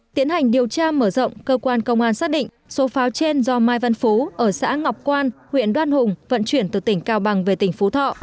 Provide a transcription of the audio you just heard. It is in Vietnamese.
tiến hành điều tra mở rộng cơ quan công an xác định số pháo trên do mai văn phú ở xã ngọc quan huyện đoan hùng vận chuyển từ tỉnh cao bằng về tỉnh phú thọ